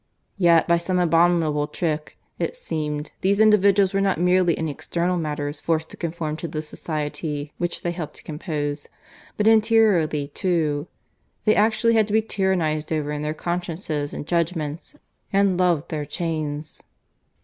Yet by some abominable trick, it seemed, these individuals were not merely in external matters forced to conform to the Society which they helped to compose, but interiorly too; they actually had been tyrannized over in their consciences and judgments, and loved their chains.